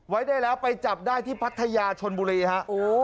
ไว้ได้แล้วไปจับได้ที่พัทยาชนบุรีฮะ